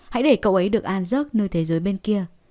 hãy để cậu ấy được an giấc nơi thế giới bên cạnh